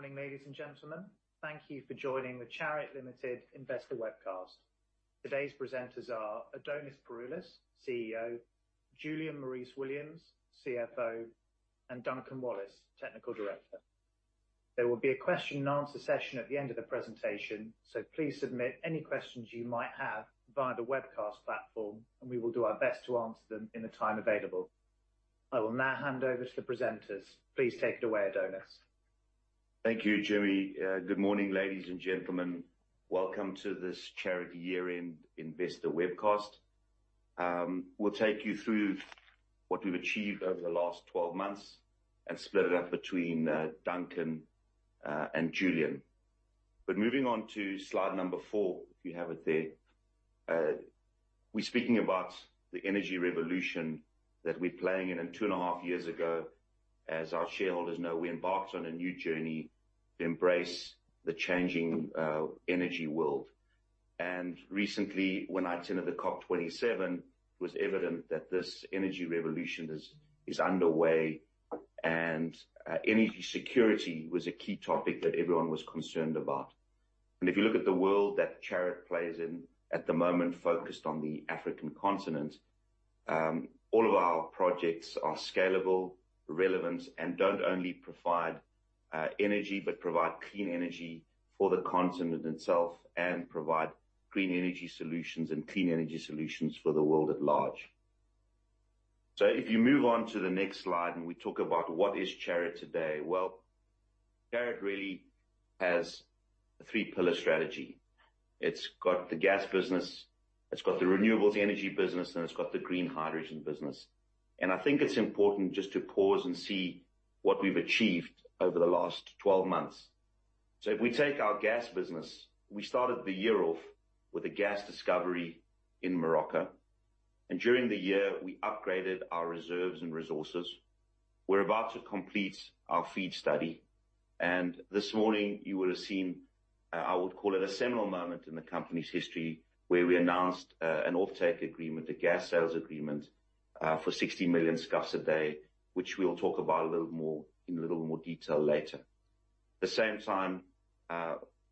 Good morning, ladies and gentlemen. Thank you for joining the Chariot Limited Investor Webcast. Today's presenters are Adonis Pouroulis, CEO, Julian Maurice-Williams, CFO, and Duncan Wallace, Technical Director. There will be a question and answer session at the end of the presentation. Please submit any questions you might have via the webcast platform. We will do our best to answer them in the time available. I will now hand over to the presenters. Please take it away, Adonis. Thank you, Jimmy. Good morning, ladies and gentlemen. Welcome to this Chariot year-end investor webcast. We'll take you through what we've achieved over the last 12 months and split it up between Duncan and Julian. Moving on to slide number four, if you have it there. We're speaking about the energy revolution that we're playing in. Two and a half years ago, as our shareholders know, we embarked on a new journey to embrace the changing energy world. Recently, when I attended the COP27, it was evident that this energy revolution is underway and energy security was a key topic that everyone was concerned about. If you look at the world that Chariot plays in at the moment, focused on the African continent, all of our projects are scalable, relevant, and don't only provide energy, but provide clean energy for the continent itself and provide green energy solutions and clean energy solutions for the world at large. If you move on to the next slide, and we talk about what is Chariot today. Well, Chariot really has a three-pillar strategy. It's got the gas business, it's got the renewables energy business, and it's got the green hydrogen business. I think it's important just to pause and see what we've achieved over the last 12 months. If we take our gas business, we started the year off with a gas discovery in Morocco, and during the year, we upgraded our reserves and resources. We're about to complete our FID study. This morning you would have seen, I would call it a seminal moment in the company's history, where we announced an offtake agreement, a gas sales agreement, for 60 million scf a day, which we'll talk about a little more, in a little more detail later. At the same time,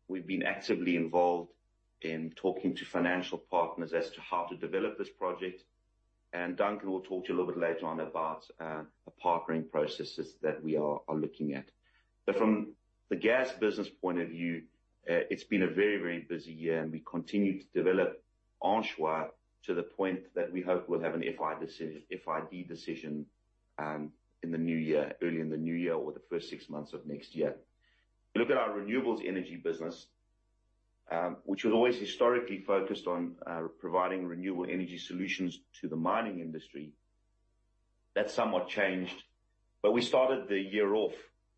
we've been actively involved in talking to financial partners as to how to develop this project, Duncan will talk to you a little bit later on about the partnering processes that we are looking at. From the gas business point of view, it's been a very, very busy year, and we continue to develop Anchois to the point that we hope we'll have an FEED decision in the new year, early in the new year or the first six months of next year. Look at our renewables energy business, which was always historically focused on providing renewable energy solutions to the mining industry. That somewhat changed. We started the year off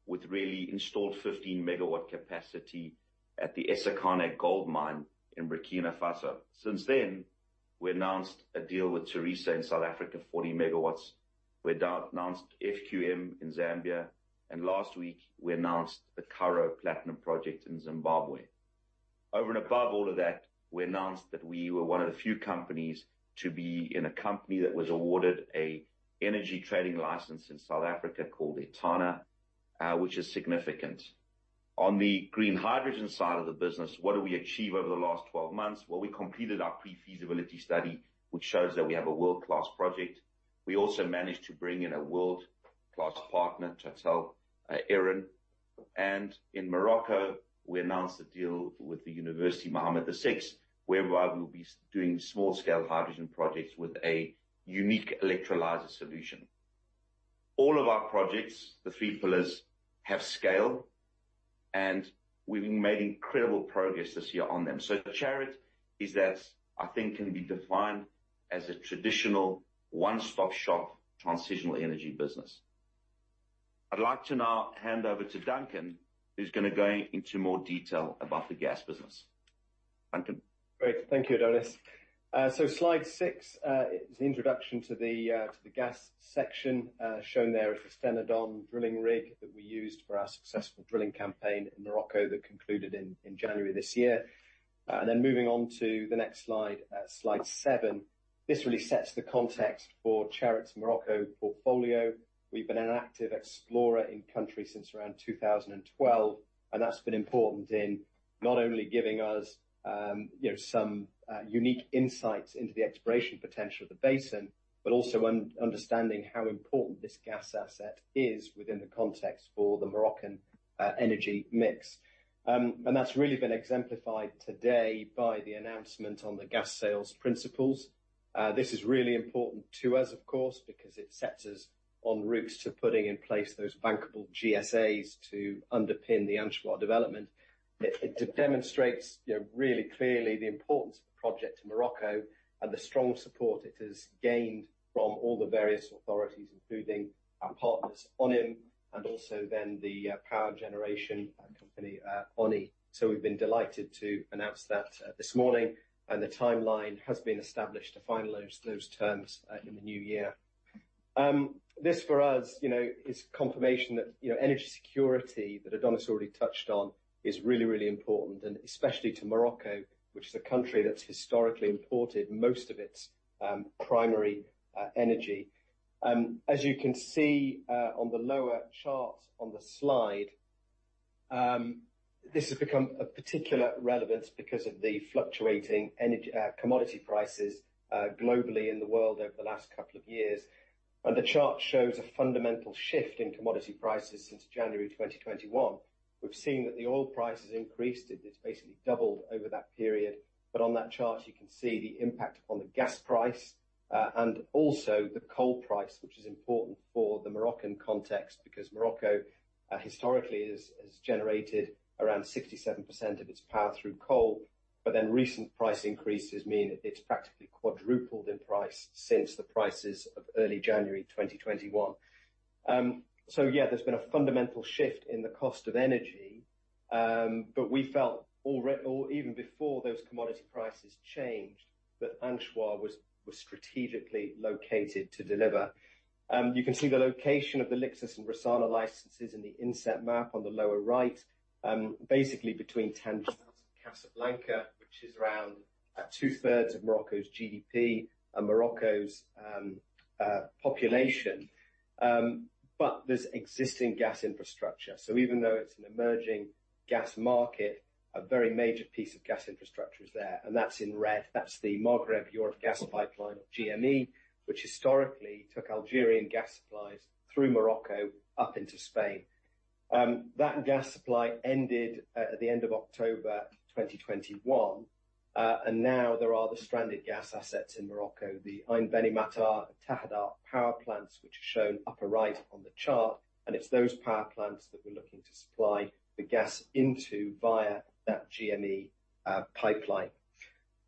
with really installed 15 MW capacity at the Essakane gold mine in Burkina Faso. Since then, we announced a deal with Tharisa in South Africa, 40 MW. We announced FQM in Zambia. Last week we announced the Karo Platinum Project in Zimbabwe. Over and above all of that, we announced that we were one of the few companies to be in a company that was awarded a energy trading license in South Africa called Etana, which is significant. On the green hydrogen side of the business, what did we achieve over the last 12 months? Well, we completed our pre-feasibility study, which shows that we have a world-class project. We also managed to bring in a world-class partner, Total Eren. In Morocco, we announced a deal with the University Mohammed VI, whereby we'll be doing small scale hydrogen projects with a unique electrolyzer solution. All of our projects, the three pillars, have scale, and we've made incredible progress this year on them. Chariot is I think can be defined as a traditional one-stop shop transitional energy business. I'd like to now hand over to Duncan, who's gonna go into more detail about the gas business. Duncan? Great. Thank you, Adonis. Slide six is the introduction to the gas section. Shown there is the Stena Don drilling rig that we used for our successful drilling campaign in Morocco that concluded in January this year. Moving on to the next slide seven. This really sets the context for Chariot's Morocco portfolio. We've been an active explorer in country since around 2012, and that's been important in not only giving us, you know, some unique insights into the exploration potential of the basin, but also understanding how important this gas asset is within the context for the Moroccan energy mix. That's really been exemplified today by the announcement on the gas sales principles. This is really important to us, of course, because it sets us on routes to putting in place those bankable GSAs to underpin the Anchois development. It demonstrates, you know, really clearly the importance of the project to Morocco and the strong support it has gained from all the various authorities, including our partners, ONHYM, and also then the power generation company, ONEE. We've been delighted to announce that this morning, and the timeline has been established to final those terms in the new year. This for us, you know, is confirmation that, you know, energy security that Adonis Pouroulis already touched on is really, really important and especially to Morocco, which is a country that's historically imported most of its primary energy. As you can see, on the lower chart on the slide, this has become a particular relevance because of the fluctuating energy commodity prices globally in the world over the last couple of years. The chart shows a fundamental shift in commodity prices since January 2021. We've seen that the oil price has increased. It's basically doubled over that period. On that chart, you can see the impact on the gas price and also the coal price, which is important for the Moroccan context, because Morocco historically has generated around 67% of its power through coal. Recent price increases mean it's practically quadrupled in price since the prices of early January 2021. There's been a fundamental shift in the cost of energy. We felt already or even before those commodity prices changed that Anchois was strategically located to deliver. You can see the location of the Lixus and Rissana licenses in the inset map on the lower right, basically between Tangier and Casablanca, which is around 2/3 of Morocco's GDP and Morocco's population. There's existing gas infrastructure. Even though it's an emerging gas market, a very major piece of gas infrastructure is there, and that's in red. That's the Maghreb-Europe Gas Pipeline, GME, which historically took Algerian gas supplies through Morocco up into Spain. That gas supply ended at the end of October 2021. Now there are the stranded gas assets in Morocco, the Ain Beni Mathar and Tahaddart power plants, which are shown upper right on the chart. It's those power plants that we're looking to supply the gas into via that GME pipeline.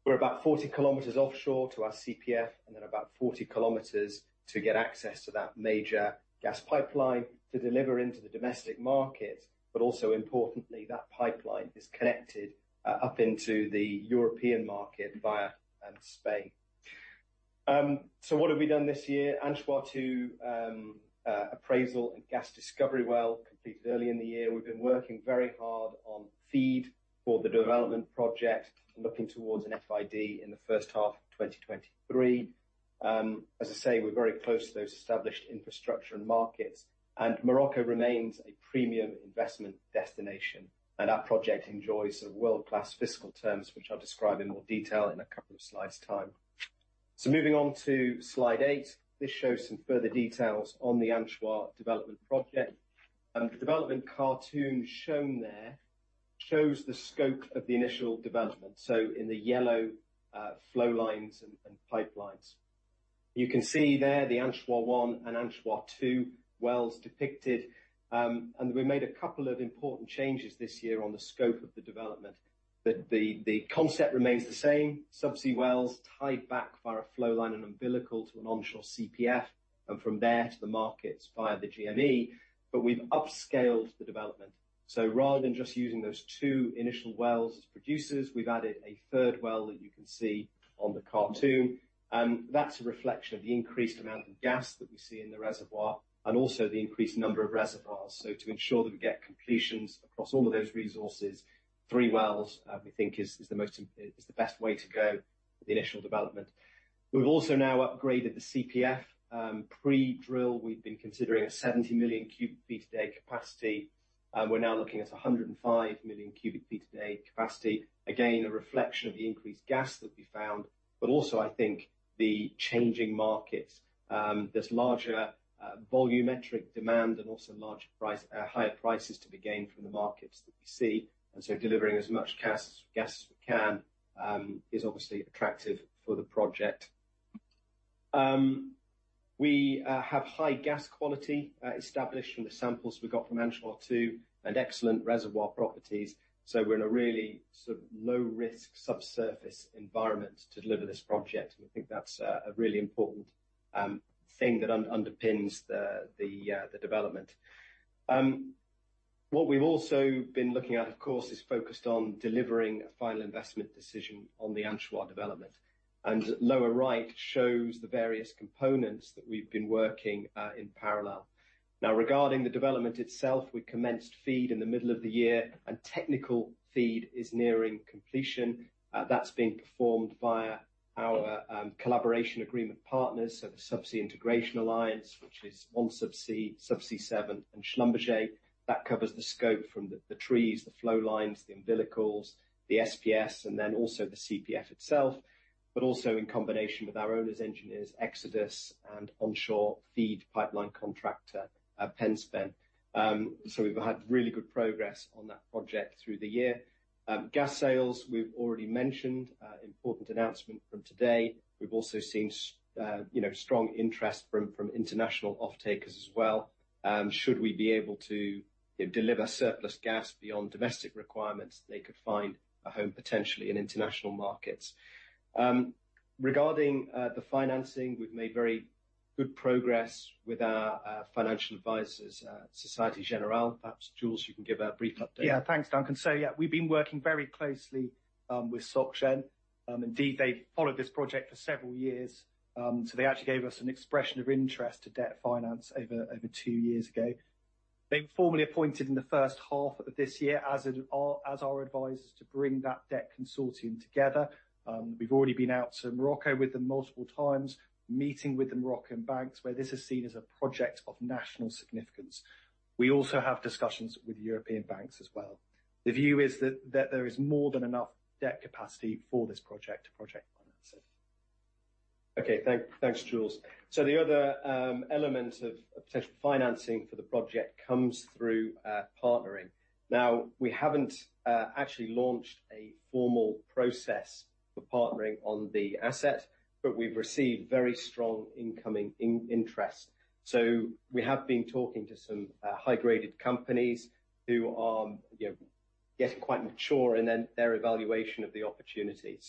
We're about 40 kilometers offshore to our CPF and then about 40 kilometers to get access to that major gas pipeline to deliver into the domestic market. Also importantly, that pipeline is connected up into the European market via Spain. What have we done this year? Anchois-2 appraisal and gas discovery well completed early in the year. We've been working very hard on FEED for the development project, looking towards an FID in the first half of 2023. As I say, we're very close to those established infrastructure and markets. Morocco remains a premium investment destination. Our project enjoys world-class fiscal terms, which I'll describe in more detail in a couple of slides' time. Moving on to slide eight. This shows some further details on the Anchois development project. The development cartoon shown there shows the scope of the initial development, so in the yellow flow lines and pipelines. You can see there the Anchois-1 and Anchois-2 wells depicted. We made a couple of important changes this year on the scope of the development. The concept remains the same, subsea wells tied back via a flow line and umbilical to an onshore CPF, and from there to the markets via the GME. We've upscaled the development. Rather than just using those two initial wells as producers, we've added a third well that you can see on the cartoon. That's a reflection of the increased amount of gas that we see in the reservoir and also the increased number of reservoirs. To ensure that we get completions across all of those resources, three wells, we think is the best way to go for the initial development. We've also now upgraded the CPF. Pre-drill, we'd been considering a 70 million cu ft a day capacity. We're now looking at a 105 million cu ft a day capacity. Again, a reflection of the increased gas that we found, but also I think the changing markets. There's larger volumetric demand and also higher prices to be gained from the markets that we see. Delivering as much gas as we can, is obviously attractive for the project. We have high gas quality established from the samples we got from Anchois-2 and excellent reservoir properties. We're in a really sort of low risk subsurface environment to deliver this project. We think that's a really important thing that underpins the development. What we've also been looking at, of course, is focused on delivering a final investment decision on the Anchois development. Lower right shows the various components that we've been working in parallel. Now, regarding the development itself, we commenced FEED in the middle of the year, and technical FEED is nearing completion. That's being performed via our collaboration agreement partners, so the Subsea Integration Alliance, which is OneSubsea, Subsea7, and Schlumberger. That covers the scope from the trees, the flow lines, the umbilicals, the SPS, and then also the CPF itself, but also in combination with our owners, engineers, Exodus, and onshore FEED pipeline contractor, Penspen. We've had really good progress on that project through the year. Gas sales, we've already mentioned, important announcement from today. We've also seen, you know, strong interest from international offtakers as well. Should we be able to, you know, deliver surplus gas beyond domestic requirements, they could find a home potentially in international markets. Regarding the financing, we've made very good progress with our financial advisors at Société Générale. Perhaps, Jules, you can give a brief update. Yeah. Thanks, Duncan. Yeah, we've been working very closely with SocGen. Indeed, they followed this project for several years. They actually gave us an expression of interest to debt finance over two years ago. They were formally appointed in the first half of this year as our advisors to bring that debt consortium together. We've already been out to Morocco with them multiple times, meeting with the Moroccan banks, where this is seen as a project of national significance. We also have discussions with European banks as well. The view is that there is more than enough debt capacity for this project to project finance it. Okay. Thanks, Jules. The other element of potential financing for the project comes through partnering. Now, we haven't actually launched a formal process for partnering on the asset, but we've received very strong incoming interest. We have been talking to some high-graded companies who are, you know, getting quite mature in their evaluation of the opportunity.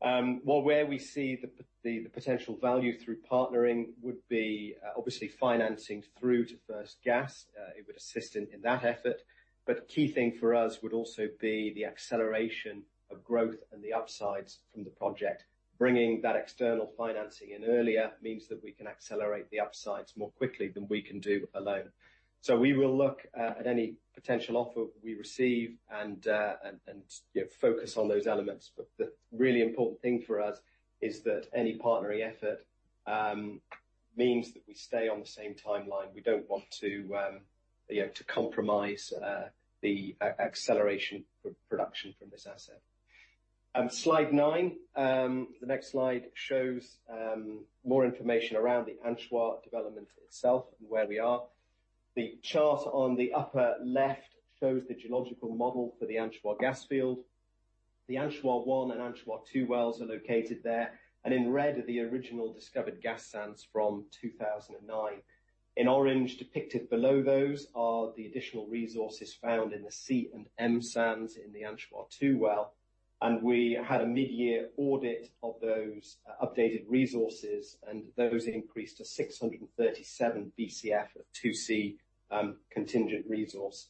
Well, where we see the potential value through partnering would be obviously financing through to first gas. It would assist in that effort. Key thing for us would also be the acceleration of growth and the upsides from the project. Bringing that external financing in earlier means that we can accelerate the upsides more quickly than we can do alone. We will look at any potential offer we receive and, you know, focus on those elements. The really important thing for us is that any partnering effort means that we stay on the same timeline. We don't want to, you know, to compromise the acceleration of production from this asset. Slide nine. The next slide shows more information around the Anchois development itself and where we are. The chart on the upper left shows the geological model for the Anchois gas field. The Anchois-1 and Anchois-2 wells are located there, and in red are the original discovered gas sands from 2009. In orange, depicted below those are the additional resources found in the C and M sands in the Anchois-2 well. We had a mid-year audit of those updated resources, and those increased to 637 Bcf of 2C contingent resource.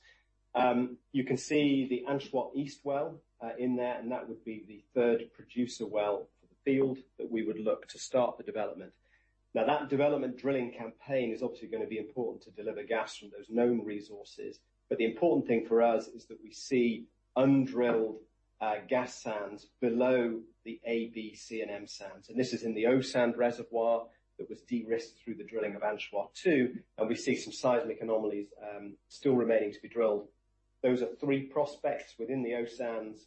You can see the Anchois East well in there, and that would be the third producer well for the field that we would look to start the development. That development drilling campaign is obviously gonna be important to deliver gas from those known resources. The important thing for us is that we see undrilled gas sands below the A, B, C and M sands. This is in the O sand reservoir that was de-risked through the drilling of Anchois-2, and we see some seismic anomalies still remaining to be drilled. Those are 3 prospects within the O sands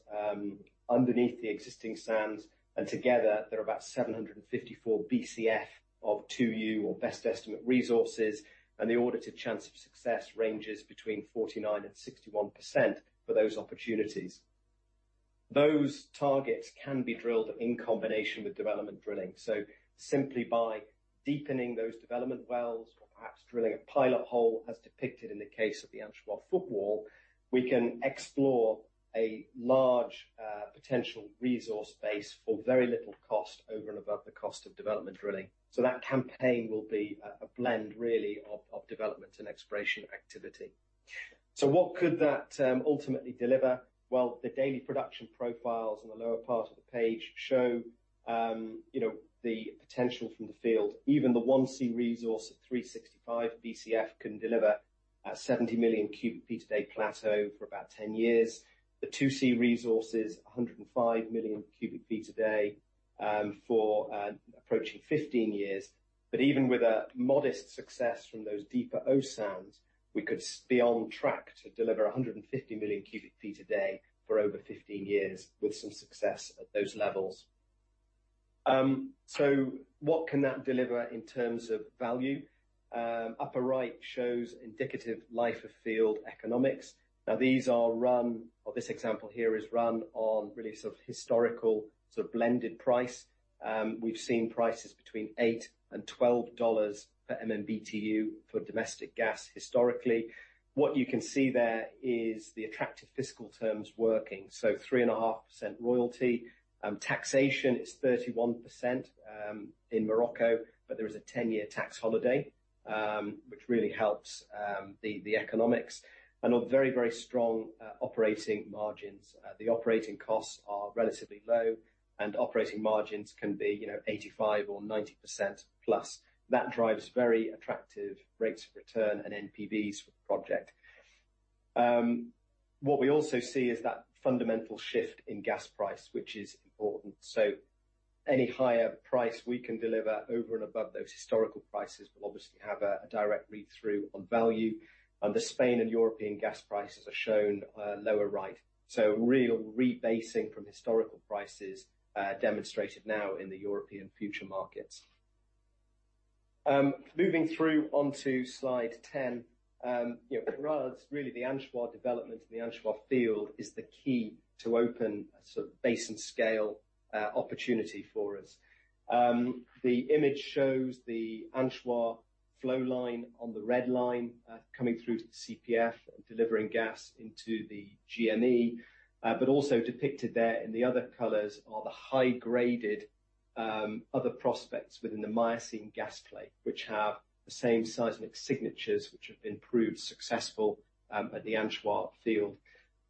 underneath the existing sands, and together there are about 754 Bcf of 2U or best estimate resources, and the audited chance of success ranges between 49% and 61% for those opportunities. Those targets can be drilled in combination with development drilling. Simply by deepening those development wells or perhaps drilling a pilot hole, as depicted in the case of the Anchois footwall, we can explore a large potential resource base for very little cost over and above the cost of development drilling. That campaign will be a blend really of development and exploration activity. What could that ultimately deliver? Well, the daily production profiles in the lower part of the page show, you know, the potential from the field. Even the 1C resource of 365 Bcf can deliver a 70 million cu ft a day plateau for about 10 years. The 2C resource is 105 million cu ft a day for approaching 15 years. Even with a modest success from those deeper O sands, we could be on track to deliver 150 million cu ft a day for over 15 years with some success at those levels. What can that deliver in terms of value? Upper right shows indicative life of field economics. Now, these are run, or this example here is run on really sort of historical, sort of blended price. We've seen prices between $8-$12 per MMBtu for domestic gas historically. What you can see there is the attractive fiscal terms working. 3.5% royalty. Taxation is 31% in Morocco, but there is a 10-year tax holiday, which really helps the economics. On very, very strong operating margins. The operating costs are relatively low, and operating margins can be, you know, 85% or 90%+. That drives very attractive rates of return and NPVs for the project. What we also see is that fundamental shift in gas price, which is important. Any higher price we can deliver over and above those historical prices will obviously have a direct read-through on value. The Spain and European gas prices are shown lower right. Real rebasing from historical prices demonstrated now in the European future markets. Moving through onto slide 10. You know, Pre-Rif, it's really the Anchois development and the Anchois field is the key to open a sort of basin-scale opportunity for us. The image shows the Anchois flow line on the red line coming through to the CPF and delivering gas into the GME. Also depicted there in the other colors are the high-graded other prospects within the Miocene gas play, which have the same seismic signatures which have been proved successful at the Anchois field.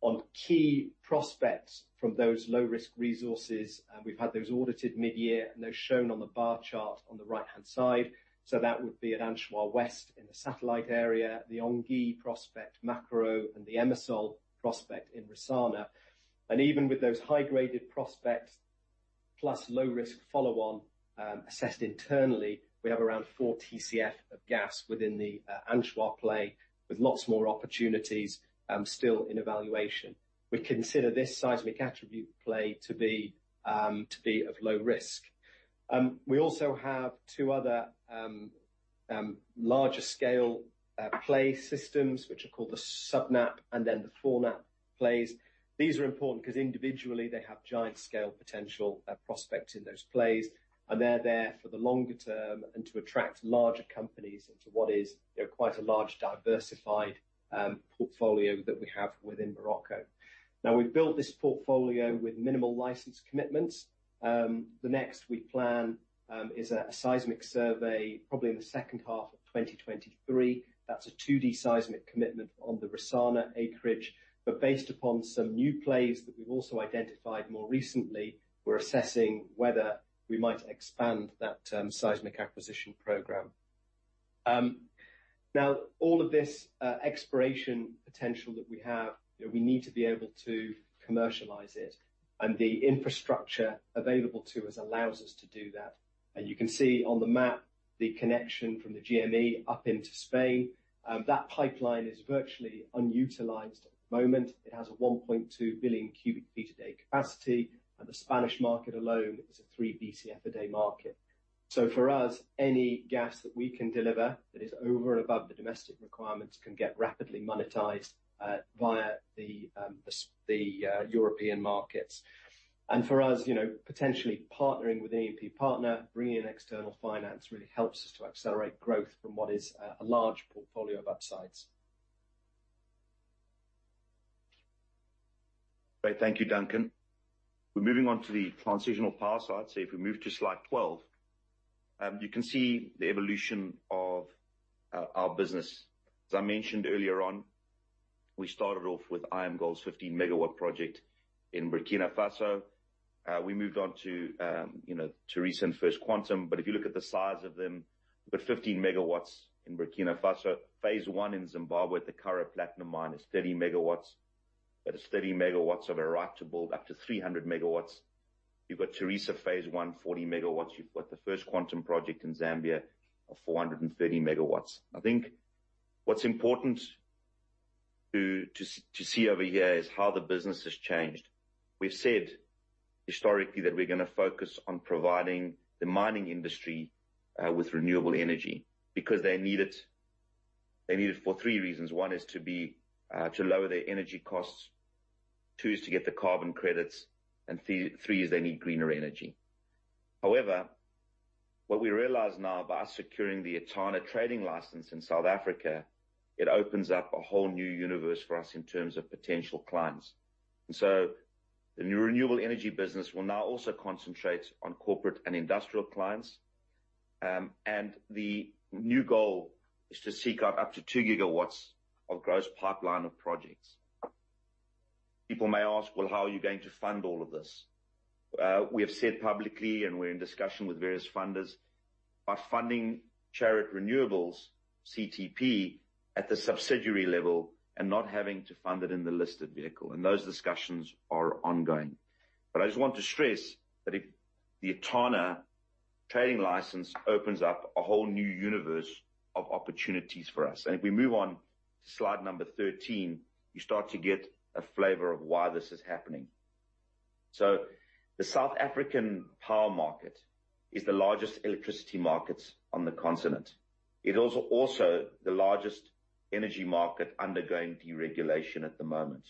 On key prospects from those low-risk resources. We've had those audited mid-year and they're shown on the bar chart on the right-hand side. That would be at Anchois West in the satellite area, the Enguie prospect, Macro, and the Emessal prospect in Rissana. Even with those high-graded prospects, plus low risk follow-on, assessed internally, we have around four TCF of gas within the Anchois play, with lots more opportunities, still in evaluation. We consider this seismic attribute play to be of low risk. We also have two other larger scale play systems, which are called the Sub-Nappe and then the Fore-Nappe plays. These are important 'cause individually they have giant scale potential, prospects in those plays, and they're there for the longer term and to attract larger companies into what is, you know, quite a large diversified portfolio that we have within Morocco. We've built this portfolio with minimal license commitments. The next we plan is a seismic survey, probably in the second half of 2023. That's a 2D seismic commitment on the Rissana acreage. Based upon some new plays that we've also identified more recently, we're assessing whether we might expand that seismic acquisition program. All of this exploration potential that we have, you know, we need to be able to commercialize it. The infrastructure available to us allows us to do that. You can see on the map the connection from the GME up into Spain. That pipeline is virtually unutilized at the moment. It has a 1.2 billion cu ft a day capacity, and the Spanish market alone is a 3 BCF a day market. For us, any gas that we can deliver that is over and above the domestic requirements can get rapidly monetized via the European markets. For us, you know, potentially partnering with an E&P partner, bringing in external finance really helps us to accelerate growth from what is a large portfolio of upsides. Great. Thank you, Duncan. We're moving on to the transitional power side. If we move to slide 12, you can see the evolution of our business. As I mentioned earlier on, we started off with IAMGOLD's 15 MW project in Burkina Faso. We moved on to, you know, to recent First Quantum, if you look at the size of them, we've got 15 MW in Burkina Faso. Phase I in Zimbabwe at the Karo Platinum Mine is 30 MW, it's 30 MW of a right to build up to 300 MW. You've got Tharisa phase I, 40 MW. You've got the First Quantum project in Zambia of 430 MW. I think what's important to see over here is how the business has changed. We've said historically that we're gonna focus on providing the mining industry with renewable energy because they need it. They need it for three reasons. One is to lower their energy costs. Two is to get the carbon credits, and three is they need greener energy. However, what we realize now by us securing the Etana trading license in South Africa, it opens up a whole new universe for us in terms of potential clients. The new renewable energy business will now also concentrate on corporate and industrial clients. The new goal is to seek out up to 2 GW of gross pipeline of projects. People may ask, "Well, how are you going to fund all of this?" We have said publicly, and we're in discussion with various funders, by funding Chariot Renewables, CTP at the subsidiary level and not having to fund it in the listed vehicle, and those discussions are ongoing. I just want to stress that if the Etana trading license opens up a whole new universe of opportunities for us. If we move on to slide number 13, you start to get a flavor of why this is happening. The South African power market is the largest electricity markets on the continent. It is also the largest energy market undergoing deregulation at the moment.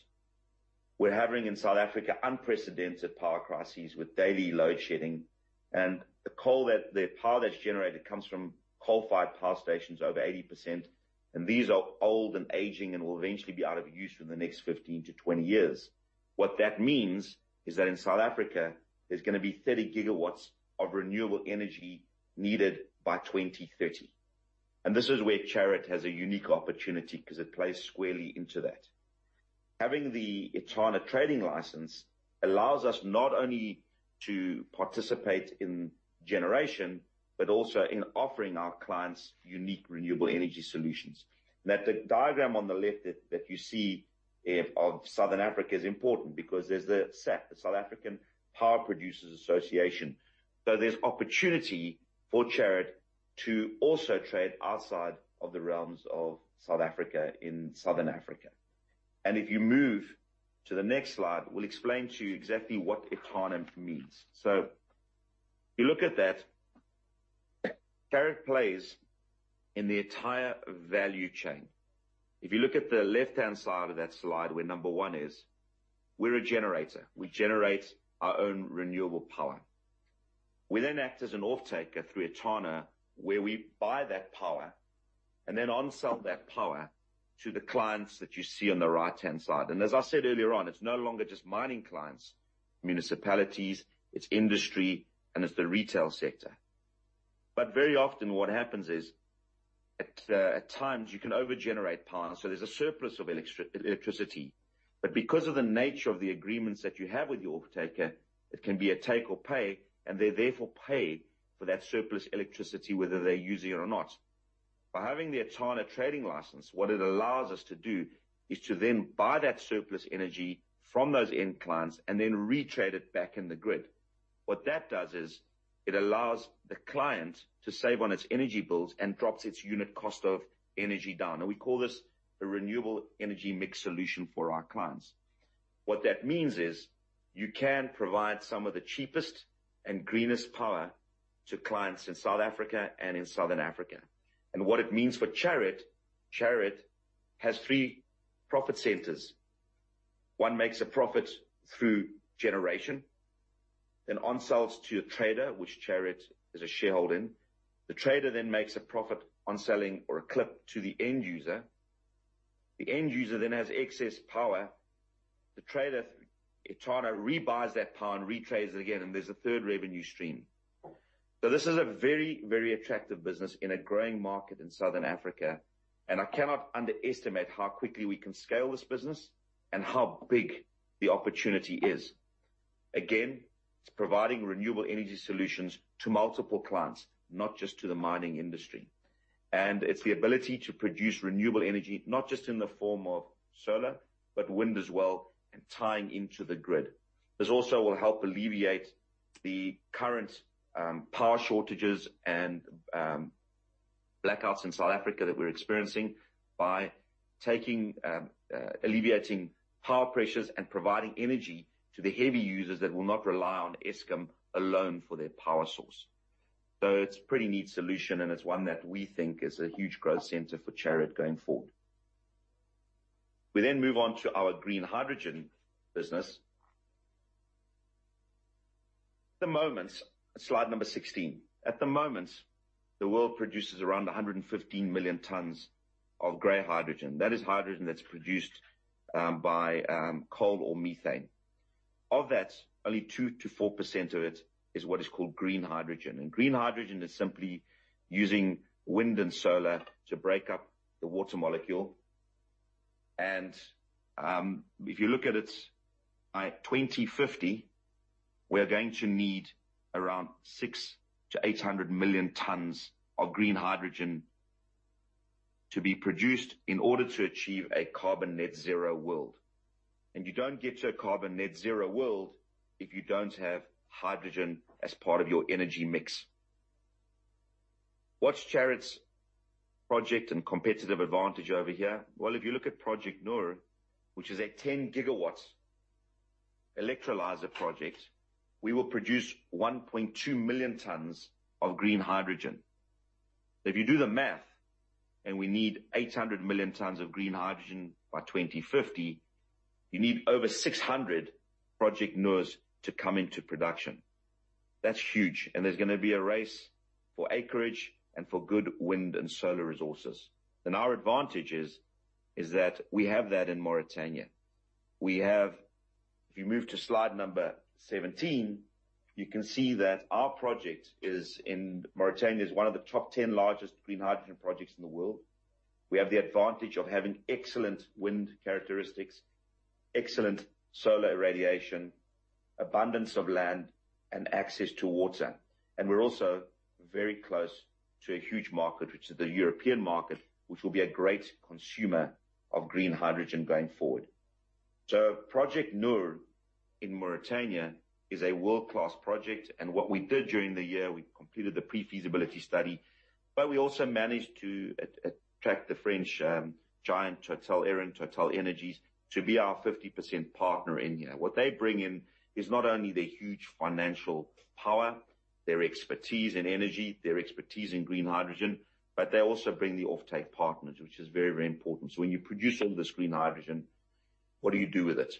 We're having in South Africa unprecedented power crises with daily load shedding and the coal that... The power that's generated comes from coal-fired power stations, over 80%, these are old and aging and will eventually be out of use within the next 15-20 years. What that means is that in South Africa, there's gonna be 30 GW of renewable energy needed by 2030. This is where Chariot has a unique opportunity 'cause it plays squarely into that. Having the Etana trading license allows us not only to participate in generation, but also in offering our clients unique renewable energy solutions. The diagram on the left that you see of Southern Africa is important because there's the SAIPPA, the South African Independent Power Producers Association. There's opportunity for Chariot to also trade outside of the realms of South Africa in Southern Africa. If you move to the next slide, we'll explain to you exactly what means. If you look at that, Chariot plays in the entire value chain. If you look at the left-hand side of that slide where number one is, we're a generator. We generate our own renewable power. We then act as an offtaker through Etana, where we buy that power. Then on-sell that power to the clients that you see on the right-hand side. As I said earlier on, it's no longer just mining clients, municipalities, it's industry, and it's the retail sector. Very often what happens is, at times you can overgenerate power, so there's a surplus of electricity. Because of the nature of the agreements that you have with your offtaker, it can be a take or pay, and they therefore pay for that surplus electricity, whether they're using it or not. By having the Etana trading license, what it allows us to do is to then buy that surplus energy from those end clients and then re-trade it back in the grid. What that does is it allows the client to save on its energy bills and drops its unit cost of energy down. We call this a renewable energy mix solution for our clients. What that means is you can provide some of the cheapest and greenest power to clients in South Africa and in Southern Africa. What it means for Chariot has three profit centers. One makes a profit through generation, then on-sells to a trader, which Chariot is a shareholder in. The trader then makes a profit on selling or a clip to the end user. The end user then has excess power. The trader, Etana, rebuy that power and re-trades it again. There's a third revenue stream. This is a very, very attractive business in a growing market in Southern Africa, and I cannot underestimate how quickly we can scale this business and how big the opportunity is. Again, it's providing renewable energy solutions to multiple clients, not just to the mining industry. It's the ability to produce renewable energy, not just in the form of solar, but wind as well and tying into the grid. This also will help alleviate the current power shortages and blackouts in South Africa that we're experiencing by taking alleviating power pressures and providing energy to the heavy users that will not rely on Eskom alone for their power source. It's a pretty neat solution, and it's one that we think is a huge growth center for Chariot going forward. We then move on to our green hydrogen business. Slide number 16. At the moment, the world produces around 115 million tons of gray hydrogen. That is hydrogen that's produced by coal or methane. Of that, only 2%-4% of it is what is called green hydrogen. Green hydrogen is simply using wind and solar to break up the water molecule. If you look at it, by 2050, we are going to need around 600-800 million tons of green hydrogen to be produced in order to achieve a carbon net zero world. You don't get to a carbon net zero world if you don't have hydrogen as part of your energy mix. What's Chariot's project and competitive advantage over here? Well, if you look at Project Nour, which is a 10 GW electrolyzer project, we will produce 1.2 million tons of green hydrogen. If you do the math and we need 800 million tons of green hydrogen by 2050, you need over 600 Project Nours to come into production. That's huge, and there's gonna be a race for acreage and for good wind and solar resources. Our advantage is that we have that in Mauritania. If you move to slide number 17, you can see that our project is in Mauritania. It's one of the top 10 largest green hydrogen projects in the world. We have the advantage of having excellent wind characteristics, excellent solar irradiation, abundance of land, and access to water. We're also very close to a huge market, which is the European market, which will be a great consumer of green hydrogen going forward. Project Nour in Mauritania is a world-class project, and what we did during the year, we completed the pre-feasibility study, but we also managed to attract the French giant Total Eren, TotalEnergies, to be our 50% partner in here. What they bring in is not only their huge financial power, their expertise in energy, their expertise in green hydrogen, but they also bring the offtake partners, which is very, very important. When you produce all this green hydrogen, what do you do with it?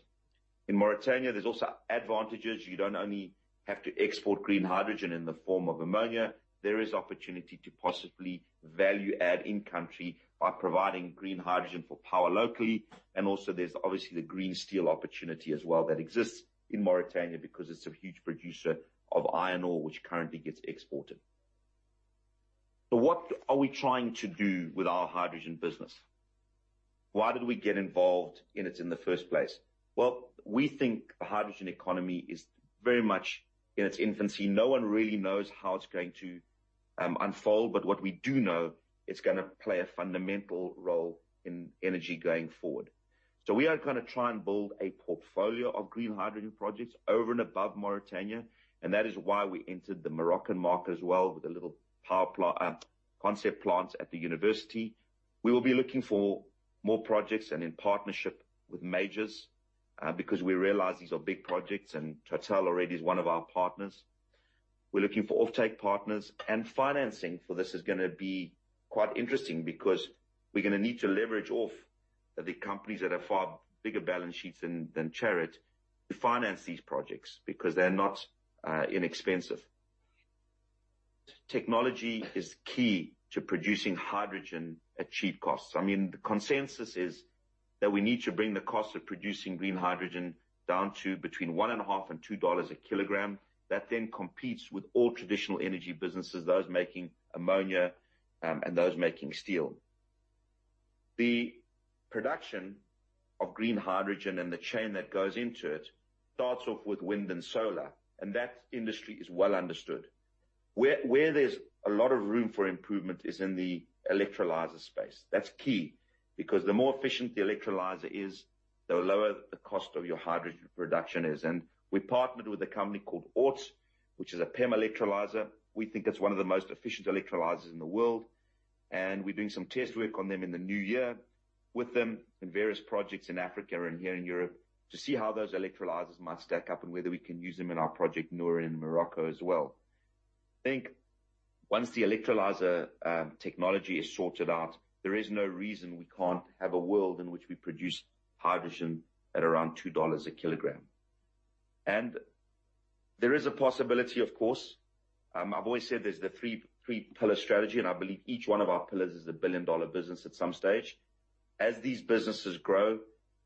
In Mauritania, there's also advantages. You don't only have to export green hydrogen in the form of ammonia. There is opportunity to possibly value add in country by providing green hydrogen for power locally. Also there's obviously the green steel opportunity as well that exists in Mauritania because it's a huge producer of iron ore, which currently gets exported. What are we trying to do with our hydrogen business? Why did we get involved in it in the first place? Well, we think the hydrogen economy is very much in its infancy. No one really knows how it's going to unfold, but what we do know, it's gonna play a fundamental role in energy going forward. We are gonna try and build a portfolio of green hydrogen projects over and above Mauritania, and that is why we entered the Moroccan market as well with a little power concept plant at the university. We will be looking for more projects and in partnership with majors, because we realize these are big projects, and Total already is one of our partners. We're looking for offtake partners, and financing for this is gonna be quite interesting because we're gonna need to leverage The companies that have far bigger balance sheets than Chariot to finance these projects because they're not inexpensive. Technology is key to producing hydrogen at cheap costs. I mean, the consensus is that we need to bring the cost of producing green hydrogen down to between $1.50-$2 a kilogram. That then competes with all traditional energy businesses, those making ammonia, and those making steel. The production of green hydrogen and the chain that goes into it starts off with wind and solar, and that industry is well understood. Where there's a lot of room for improvement is in the electrolyzer space. That's key because the more efficient the electrolyzer is, the lower the cost of your hydrogen production is. We partnered with a company called Oort, which is a PEM electrolyzer. We think it's one of the most efficient electrolyzers in the world, and we're doing some test work on them in the new year with them in various projects in Africa and here in Europe to see how those electrolyzers might stack up and whether we can use them in our Project Nour in Morocco as well. I think once the electrolyzer technology is sorted out, there is no reason we can't have a world in which we produce hydrogen at around $2 a kilogram. There is a possibility, of course, I've always said there's the three-pillar strategy, and I believe each one of our pillars is a billion-dollar business at some stage. As these businesses grow,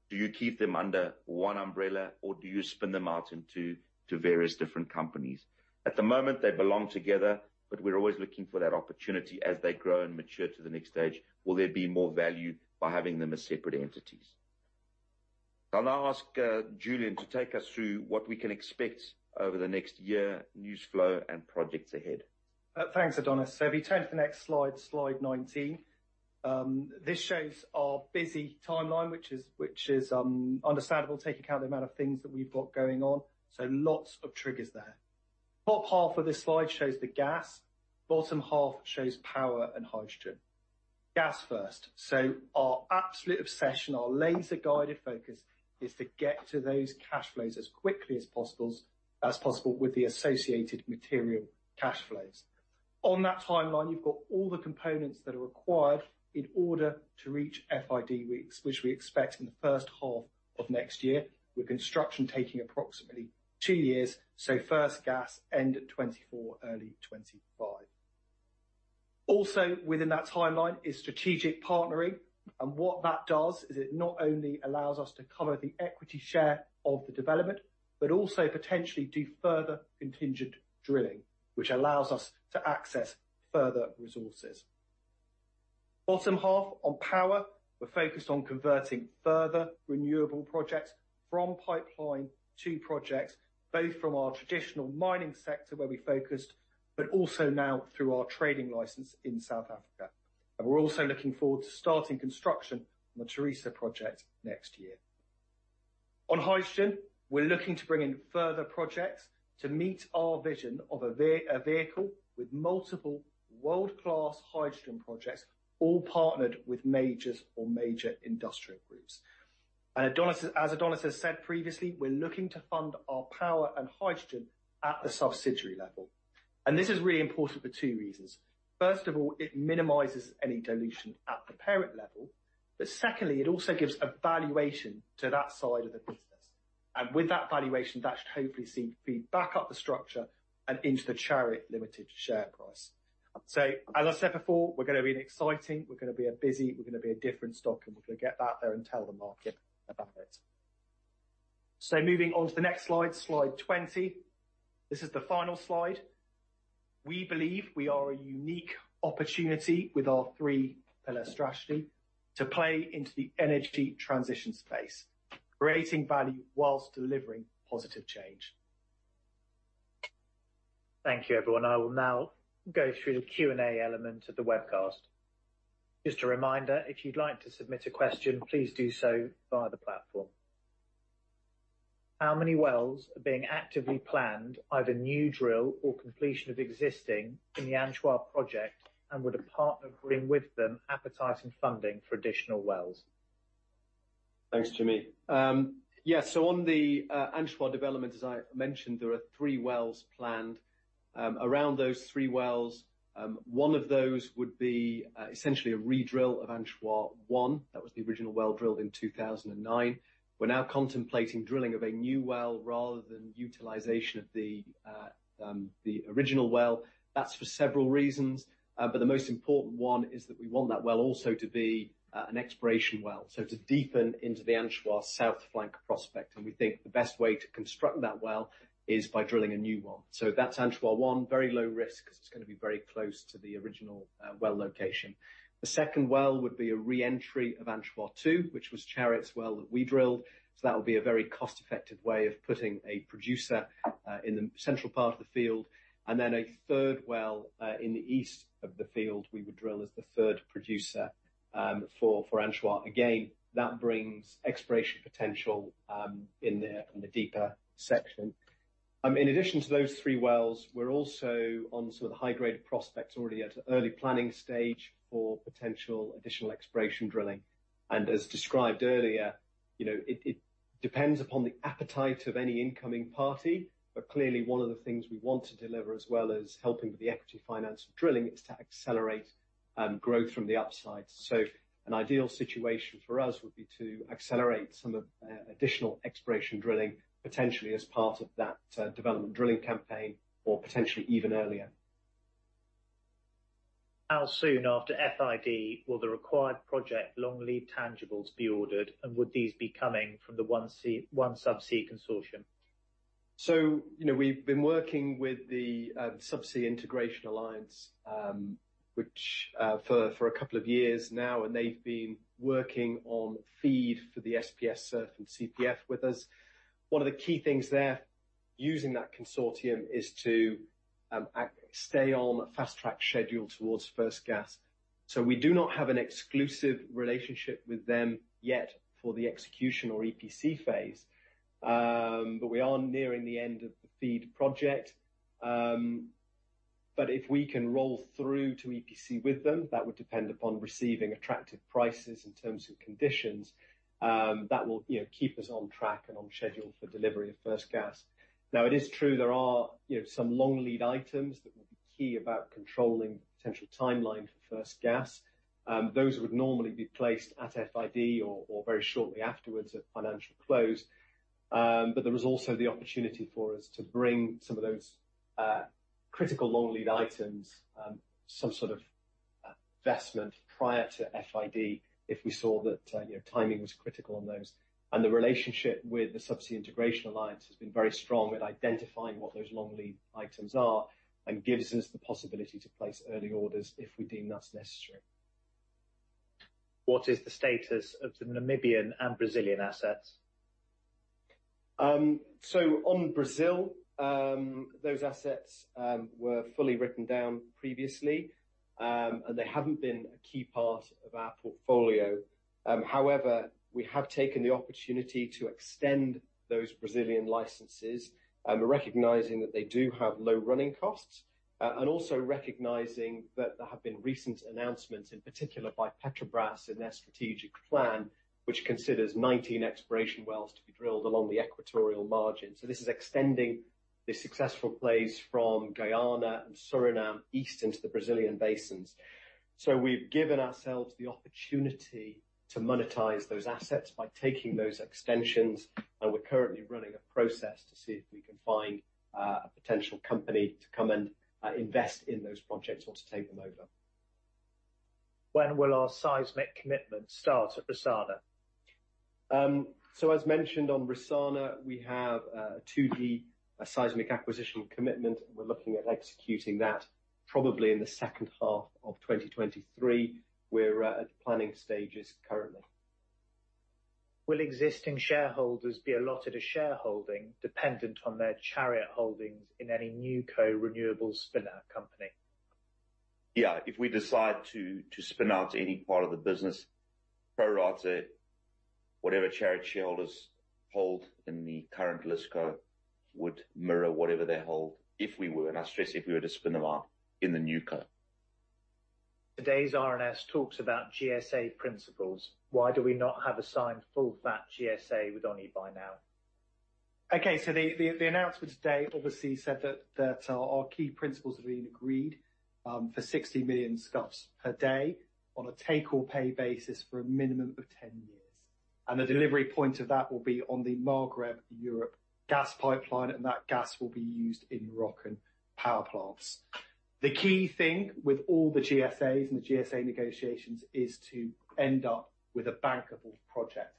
do you keep them under one umbrella, or do you spin them out into various different companies? At the moment, they belong together, but we're always looking for that opportunity as they grow and mature to the next stage. Will there be more value by having them as separate entities? I'll now ask Julian to take us through what we can expect over the next year, newsflow, and projects ahead. Thanks, Adonis. If you turn to the next slide 19, this shows our busy timeline, which is understandable taking account the amount of things that we've got going on. Lots of triggers there. Top half of this slide shows the gas, bottom half shows power and hydrogen. Gas first. Our absolute obsession, our laser-guided focus is to get to those cash flows as quickly as possible with the associated material cash flows. On that timeline, you've got all the components that are required in order to reach FID weeks, which we expect in the first half of next year, with construction taking approximately two years. First gas, end 2024, early 2025. Also within that timeline is strategic partnering. What that does is it not only allows us to cover the equity share of the development, but also potentially do further contingent drilling, which allows us to access further resources. Bottom half on power, we're focused on converting further renewable projects from pipeline to projects, both from our traditional mining sector where we focused, but also now through our trading license in South Africa. We're also looking forward to starting construction on the Tharisa project next year. On hydrogen, we're looking to bring in further projects to meet our vision of a vehicle with multiple world-class hydrogen projects, all partnered with majors or major industrial groups. Adonis as Adonis has said previously, we're looking to fund our power and hydrogen at the subsidiary level. This is really important for two reasons. First of all, it minimizes any dilution at the parent level. Secondly, it also gives a valuation to that side of the business. With that valuation, that should hopefully see feed back up the structure and into the Chariot Limited share price. As I said before, we're gonna be an exciting, we're gonna be a busy, we're gonna be a different stock, and we're gonna get that there and tell the market about it. Moving on to the next slide 20. This is the final slide. We believe we are a unique opportunity with our three-pillar strategy to play into the energy transition space, creating value while delivering positive change. Thank you, everyone. I will now go through the Q&A element of the webcast. Just a reminder, if you'd like to submit a question, please do so via the platform. How many wells are being actively planned, either new drill or completion of existing in the Anchois project? Would a partner bring with them appetite in funding for additional wells? Thanks, Jimmy. Yeah. On the Anchois development, as I mentioned, there are three wells planned. Around those three wells, one of those would be essentially a redrill of Anchois-1. That was the original well drilled in 2009. We're now contemplating drilling of a new well rather than utilization of the original well. That's for several reasons. The most important one is that we want that well also to be an exploration well. To deepen into the Anchois south flank prospect, and we think the best way to construct that well is by drilling a new one. That's Anchois-1, very low risk 'cause it's gonna be very close to the original well location. The second well would be a re-entry of Anchois-2, which was Chariot's well that we drilled. That would be a very cost-effective way of putting a producer in the central part of the field. A third well in the east of the field, we would drill as the third producer for Anchois. That brings exploration potential in the deeper section. In addition to those three wells, we're also on sort of the high-grade prospects already at early planning stage for potential additional exploration drilling. As described earlier You know, it depends upon the appetite of any incoming party. Clearly one of the things we want to deliver as well as helping with the equity finance of drilling is to accelerate growth from the upside. An ideal situation for us would be to accelerate some of additional exploration drilling potentially as part of that development drilling campaign or potentially even earlier. How soon after FID will the required project long lead tangibles be ordered, and would these be coming from the OneSubsea consortium? You know, we've been working with the Subsea Integration Alliance, which for a couple of years now, and they've been working on FEED for the SPS SURF and CPF with us. One of the key things there using that consortium is to stay on a fast-track schedule towards first gas. We do not have an exclusive relationship with them yet for the execution or EPC phase. We are nearing the end of the FEED project. If we can roll through to EPC with them, that would depend upon receiving attractive prices in terms of conditions, that will, you know, keep us on track and on schedule for delivery of first gas. It is true, there are, you know, some long lead items that will be key about controlling the potential timeline for first gas. Those would normally be placed at FID or very shortly afterwards at financial close. There is also the opportunity for us to bring some of those critical long lead items, some sort of investment prior to FID if we saw that, you know, timing was critical on those. The relationship with the Subsea Integration Alliance has been very strong at identifying what those long lead items are and gives us the possibility to place early orders if we deem that's necessary. What is the status of the Namibian and Brazilian assets? On Brazil, those assets were fully written down previously. They haven't been a key part of our portfolio. However, we have taken the opportunity to extend those Brazilian licenses, recognizing that they do have low running costs, and also recognizing that there have been recent announcements, in particular by Petrobras in their strategic plan, which considers 19 exploration wells to be drilled along the equatorial margin. This is extending the successful plays from Guyana and Suriname east into the Brazilian basins. We've given ourselves the opportunity to monetize those assets by taking those extensions, and we're currently running a process to see if we can find a potential company to come and invest in those projects or to take them over. When will our seismic commitment start at Rissana? As mentioned on Rissana, we have 2D seismic acquisition commitment. We're looking at executing that probably in the second half of 2023. We're at planning stages currently. Will existing shareholders be allotted a shareholding dependent on their Chariot holdings in any new co-renewables spinout company? Yeah. If we decide to spin out any part of the business, pro rata, whatever Chariot shareholders hold in the current list co would mirror whatever they hold, if we were, and I stress if we were to spin them out in the new co. Today's RNS talks about GSA principles. Why do we not have a signed full fat GSA with ONEE by now? Okay. The announcement today obviously said that our key principles have been agreed for 60 MMscf/d on a take or pay basis for a minimum of 10 years. The delivery point of that will be on the Maghreb Europe gas pipeline, and that gas will be used in Moroccan power plants. The key thing with all the GSAs and the GSA negotiations is to end up with a bankable project.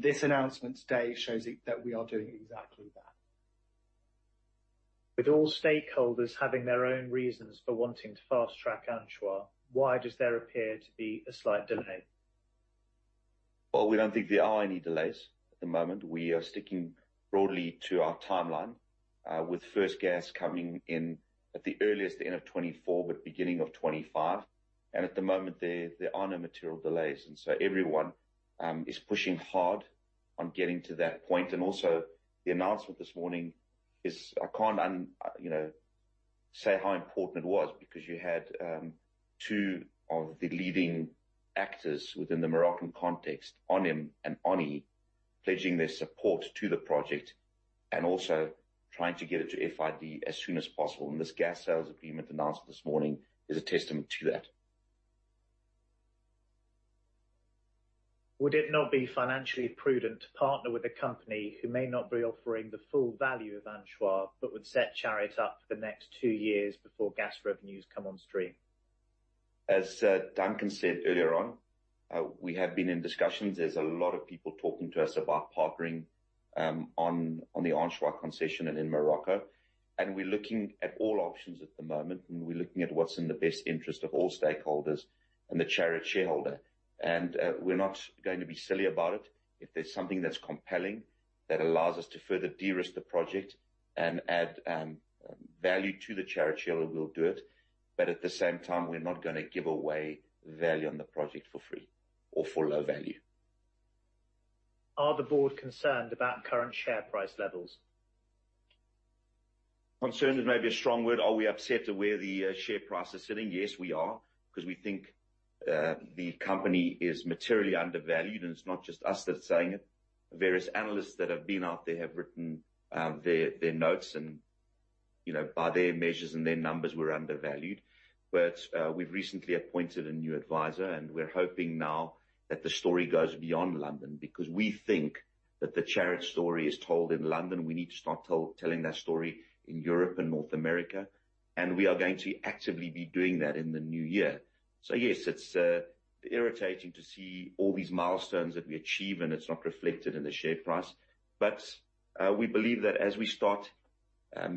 This announcement today shows that we are doing exactly that. With all stakeholders having their own reasons for wanting to fast-track Anchois, why does there appear to be a slight delay? Well, we don't think there are any delays at the moment. We are sticking broadly to our timeline, with first gas coming in at the earliest the end of 2024, but beginning of 2025. At the moment, there are no material delays. So everyone is pushing hard on getting to that point. Also the announcement this morning is. I can't, you know, say how important it was because you had two of the leading actors within the Moroccan context, ONHYM and ONEE, pledging their support to the project and also trying to get it to FID as soon as possible. This gas sales agreement announcement this morning is a testament to that. Would it not be financially prudent to partner with a company who may not be offering the full value of Anchois but would set Chariot up for the next two years before gas revenues come on stream? As Duncan said earlier on, we have been in discussions. There's a lot of people talking to us about partnering on the Anchois concession and in Morocco. We're looking at all options at the moment, and we're looking at what's in the best interest of all stakeholders and the Chariot shareholder. We're not gonna be silly about it. If there's something that's compelling that allows us to further de-risk the project and add value to the Chariot shareholder, we'll do it. At the same time, we're not gonna give away value on the project for free or for low value. Are the board concerned about current share price levels? Concerned is maybe a strong word. Are we upset at where the share price is sitting? Yes, we are, 'cause we think the company is materially undervalued, and it's not just us that are saying it. Various analysts that have been out there have written their notes and, you know, by their measures and their numbers, we're undervalued. We've recently appointed a new advisor, and we're hoping now that the story goes beyond London because we think that the Chariot story is told in London. We need to start telling that story in Europe and North America, and we are going to actively be doing that in the new year. Yes, it's irritating to see all these milestones that we achieve, and it's not reflected in the share price. We believe that as we start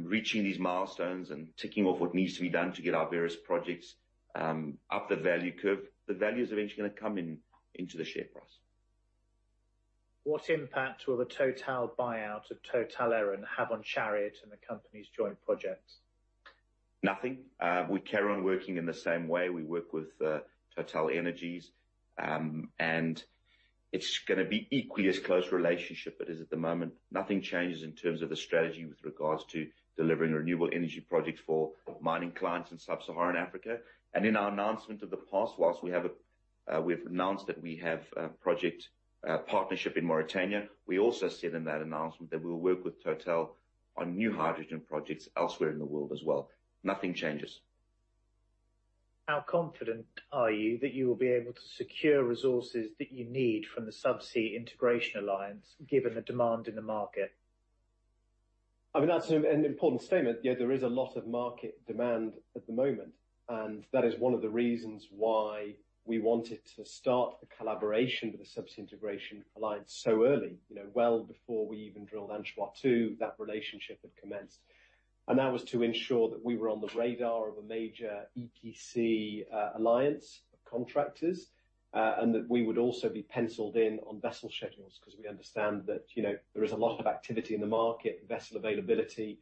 reaching these milestones and ticking off what needs to be done to get our various projects up the value curve, the value is eventually gonna come in, into the share price. What impact will the TotalEnergies buyout of Total Eren have on Chariot and the company's joint projects? Nothing. We carry on working in the same way. We work with TotalEnergies. It's gonna be equally as close relationship it is at the moment. Nothing changes in terms of the strategy with regards to delivering renewable energy projects for mining clients in Sub-Saharan Africa. In our announcement of the past, whilst we have a we've announced that we have project partnership in Mauritania, we also said in that announcement that we'll work with Total on new hydrogen projects elsewhere in the world as well. Nothing changes. How confident are you that you will be able to secure resources that you need from the Subsea Integration Alliance, given the demand in the market? I mean, that's an important statement. Yeah, there is a lot of market demand at the moment, and that is one of the reasons why we wanted to start the collaboration with the Subsea Integration Alliance so early. You know, well before we even drilled Anchois-2, that relationship had commenced. That was to ensure that we were on the radar of a major EPC alliance of contractors, and that we would also be penciled in on vessel schedules 'cause we understand that, you know, there is a lot of activity in the market. Vessel availability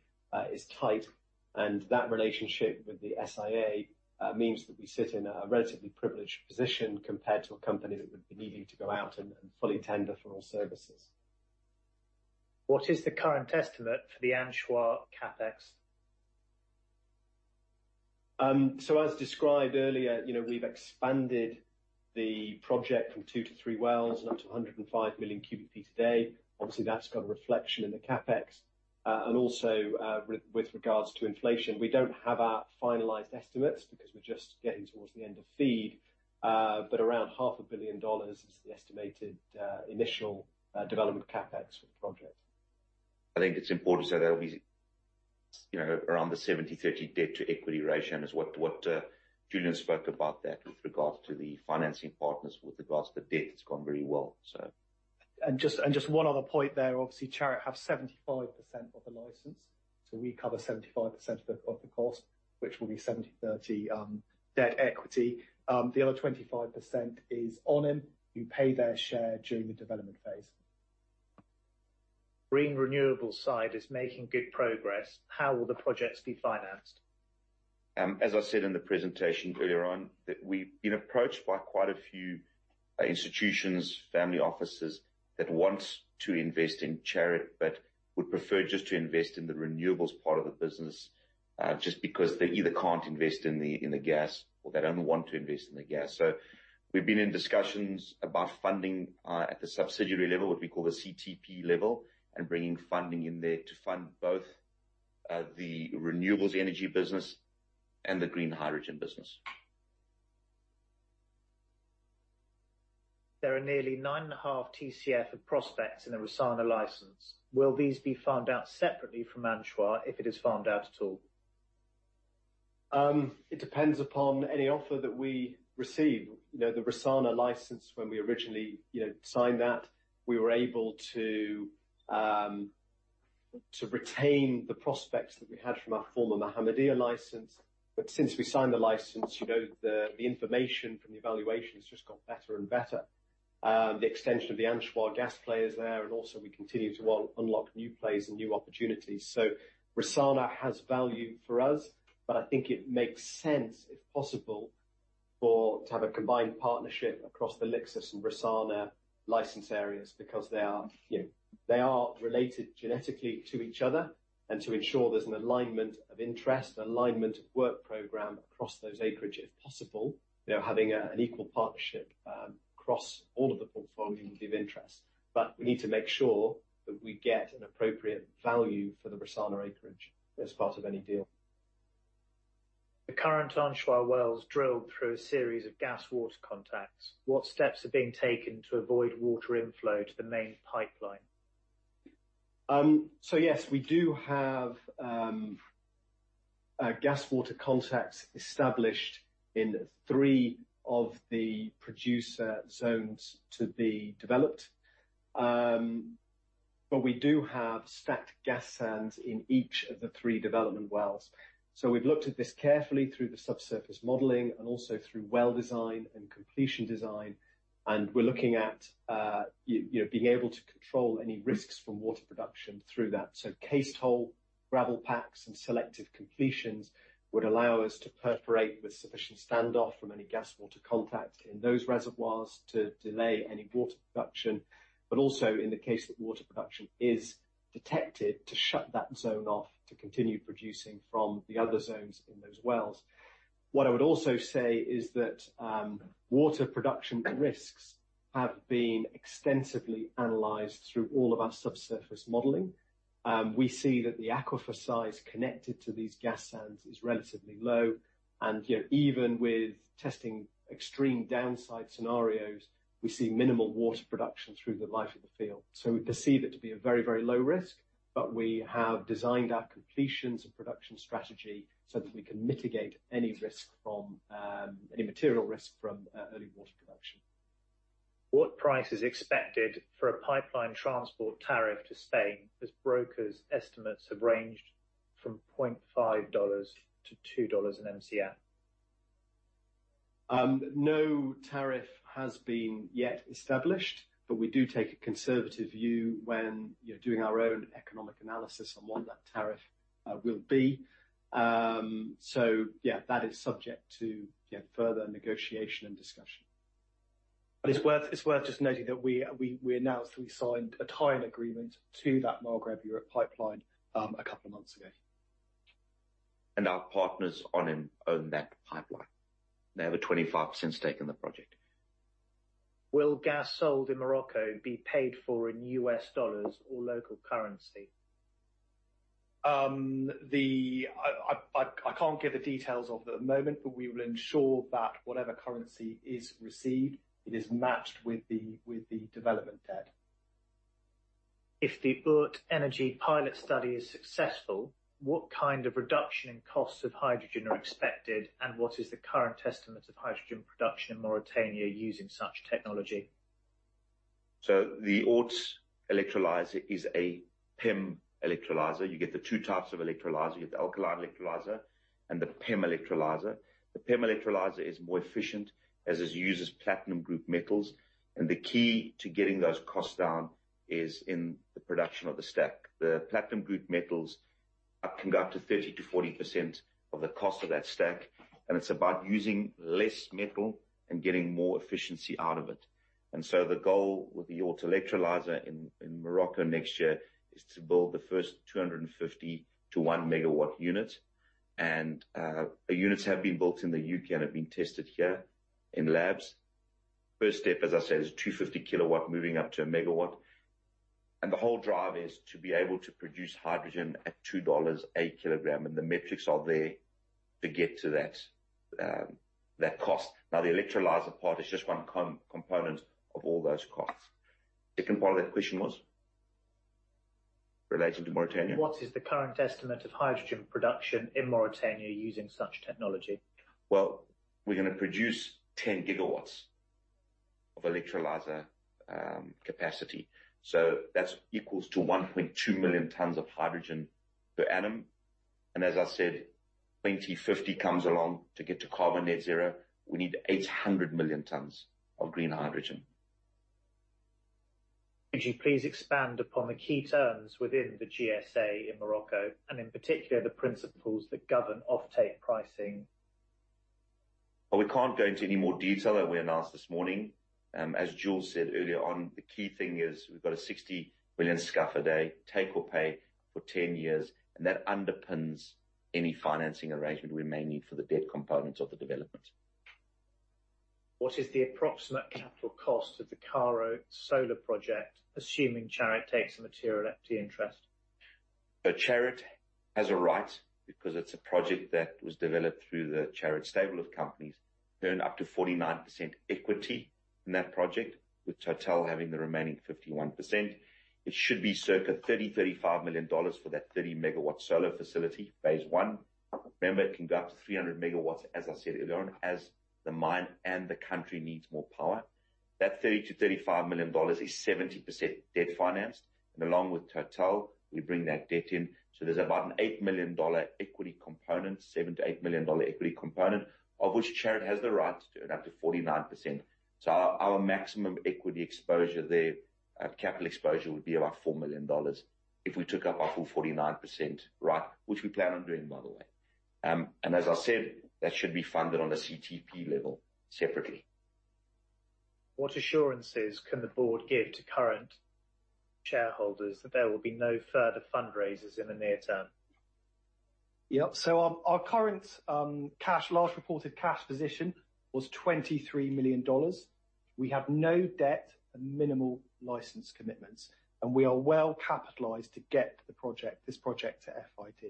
is tight, and that relationship with the SIA means that we sit in a relatively privileged position compared to a company that would be needing to go out and fully tender for all services. What is the current estimate for the Anchois CapEx? As described earlier, you know, we've expanded the project from two to three wells and up to 105 million cu ft a day. Obviously, that's got a reflection in the CapEx. Also, with regards to inflation, we don't have our finalized estimates because we're just getting towards the end of FEED, but around half a billion dollars is the estimated initial development CapEx for the project. I think it's important to say that'll be, you know, around the 70/30 debt to equity ratio and is what Julian spoke about that with regards to the financing partners. With regards to debt, it's gone very well, so. Just one other point there. Obviously, Chariot have 75% of the license. We cover 75% of the cost, which will be 70/30, debt equity. The other 25% is ONHYM, we pay their share during the development phase. Green renewable side is making good progress. How will the projects be financed? As I said in the presentation earlier on, that we've been approached by quite a few institutions, family offices that want to invest in Chariot but would prefer just to invest in the renewables part of the business, just because they either can't invest in the, in the gas or they don't want to invest in the gas. We've been in discussions about funding at the subsidiary level, what we call the CTP level, and bringing funding in there to fund both the renewables energy business and the green hydrogen business. There are nearly 9.5 TCF of prospects in the Rissana license. Will these be farmed out separately from Anchois if it is farmed out at all? It depends upon any offer that we receive. You know, the Rissana license, when we originally, you know, signed that, we were able to retain the prospects that we had from our former Mohammedia license. Since we signed the license, you know, the information from the evaluation has just got better and better. The extension of the Anchois gas play is there, and also we continue to un-unlock new plays and new opportunities. Rissana has value for us, but I think it makes sense, if possible, to have a combined partnership across the Lixus and Rissana license areas because they are, you know, they are related genetically to each other. To ensure there's an alignment of interest, an alignment of work program across those acreage, if possible, you know, having an equal partnership across all of the portfolio would be of interest. We need to make sure that we get an appropriate value for the Rissana acreage as part of any deal. The current Anchois wells drilled through a series of gas water contacts. What steps are being taken to avoid water inflow to the main pipeline? Yes, we do have a gas water contact established in three of the producer zones to be developed. We do have stacked gas sands in each of the three development wells. We've looked at this carefully through the subsurface modeling and also through well design and completion design, and we're looking at, you know, being able to control any risks from water production through that. Cased hole, gravel packs, and selective completions would allow us to perforate with sufficient standoff from any gas water contact in those reservoirs to delay any water production. Also, in the case that water production is detected, to shut that zone off to continue producing from the other zones in those wells. What I would also say is that water production risks have been extensively analyzed through all of our subsurface modeling. We see that the aquifer size connected to these gas sands is relatively low. You know, even with testing extreme downside scenarios, we see minimal water production through the life of the field. We perceive it to be a very, very low risk. We have designed our completions and production strategy so that we can mitigate any risk from any material risk from early water production. What price is expected for a pipeline transport tariff to Spain as brokers estimates have ranged from $0.5-$2 an MCF? No tariff has been yet established. We do take a conservative view when you're doing our own economic analysis on what that tariff will be. Yeah, that is subject to, you know, further negotiation and discussion. It's worth just noting that we announced that we signed a tie-in agreement to that Maghreb-Europe pipeline, a couple of months ago. Our partners ONHYM own that pipeline. They have a 25% stake in the project. Will gas sold in Morocco be paid for in U.S. dollars or local currency? I can't give the details of it at the moment, but we will ensure that whatever currency is received, it is matched with the development debt. If the Oort Energy pilot study is successful, what kind of reduction in costs of hydrogen are expected, and what is the current estimate of hydrogen production in Mauritania using such technology? The Oort electrolyzer is a PEM electrolyzer. You get the two types of electrolyzer. You have the alkaline electrolyzer and the PEM electrolyzer. The PEM electrolyzer is more efficient as it uses platinum-group metals, and the key to getting those costs down is in the production of the stack. The platinum-group metals can go up to 30%-40% of the cost of that stack, and it's about using less metal and getting more efficiency out of it. The goal with the Oort electrolyzer in Morocco next year is to build the first 250kW-1 MW units. Units have been built in the UK and have been tested here in labs. First step, as I said, is 250 kW moving up to a megawatt. The whole drive is to be able to produce hydrogen at $2 a kilogram, and the metrics are there to get to that cost. The electrolyzer part is just one component of all those costs. Second part of that question was? Relating to Mauritania. What is the current estimate of hydrogen production in Mauritania using such technology? We're gonna produce 10 GW of electrolyzer capacity, so that's equals to 1.2 million tons of hydrogen per annum. As I said, 2050 comes along to get to carbon net zero, we need 800 million tons of green hydrogen. Could you please expand upon the key terms within the GSA in Morocco, and in particular, the principles that govern offtake pricing? Well, we can't go into any more detail than we announced this morning. As Jules said earlier on, the key thing is we've got a 60 billion scf a day take or pay for 10 years, and that underpins any financing arrangement we may need for the debt component of the development. What is the approximate capital cost of the Karo Solar project, assuming Chariot takes a material equity interest? Chariot has a right because it's a project that was developed through the Chariot stable of companies to earn up to 49% equity in that project, with Total having the remaining 51%. It should be circa $30 million-$35 million for that 30 MW solar facility, phase I. Remember, it can go up to 300 MW, as I said earlier on, as the mine and the country needs more power. That $30 million-$35 million is 70% debt financed, and along with Total, we bring that debt in. There's about an $8 million equity component, $7 million-$8 million equity component of which Chariot has the right to earn up to 49%. Our maximum equity exposure there, capital exposure would be about $4 million if we took up our full 49% right, which we plan on doing, by the way. As I said, that should be funded on a CTP level separately. What assurances can the board give to current shareholders that there will be no further fundraisers in the near term? Yep. Our current cash, last reported cash position was $23 million. We have no debt and minimal license commitments, and we are well capitalized to get this project to FID.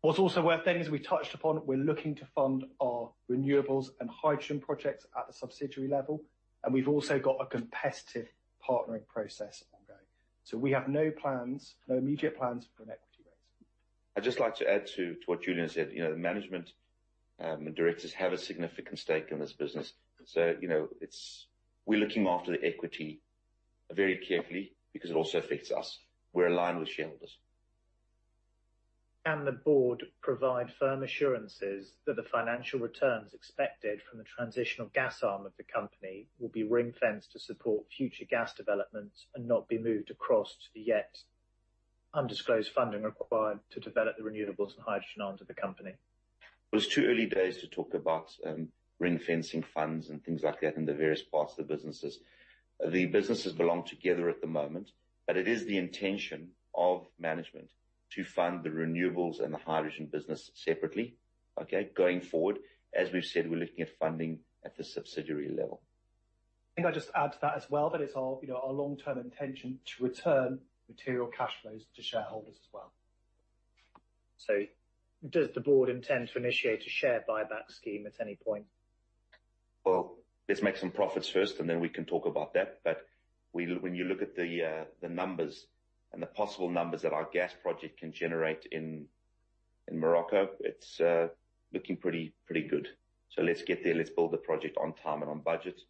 What's also worth adding is, we touched upon, we're looking to fund our renewables and hydrogen projects at the subsidiary level, and we've also got a competitive partnering process ongoing. We have no plans, no immediate plans for an equity raise. I'd just like to add to what Julian said. You know, the management, and directors have a significant stake in this business. You know, We're looking after the equity very carefully because it also affects us. We're aligned with shareholders. Can the board provide firm assurances that the financial returns expected from the transitional gas arm of the company will be ring-fenced to support future gas development and not be moved across to the yet undisclosed funding required to develop the renewables and hydrogen arms of the company? It's too early days to talk about ring-fencing funds and things like that in the various parts of the businesses. The businesses belong together at the moment, it is the intention of management to fund the renewables and the hydrogen business separately, okay? Going forward, as we've said, we're looking at funding at the subsidiary level. I think I'll just add to that as well, that it's our, you know, our long-term intention to return material cash flows to shareholders as well. Does the board intend to initiate a share buyback scheme at any point? Well, let's make some profits first. We can talk about that. When you look at the numbers and the possible numbers that our gas project can generate in Morocco, it's looking pretty good. Let's get there. Let's build the project on time and on budget.